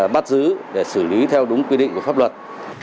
bắt giữ để xử lý theo đúng quy định của pháp luật